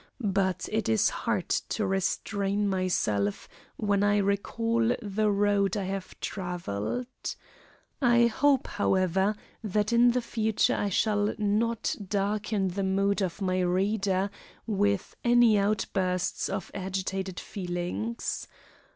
But it is hard to restrain myself when I recall the road I have travelled. I hope, however, that in the future I shall not darken the mood of my reader with any outbursts of agitated feelings.